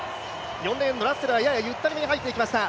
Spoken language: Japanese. ４レーンのラッセルは、ややゆったりめに入ってきました。